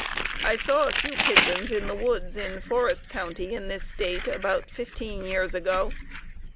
I saw a few pigeons in the woods in Forest County, in this State, about fifteen years ago.